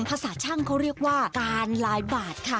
ภาษาช่างเขาเรียกว่าการลายบาทค่ะ